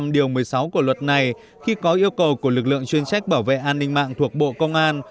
điều một mươi sáu của luật này khi có yêu cầu của lực lượng chuyên trách bảo vệ an ninh mạng thuộc bộ công an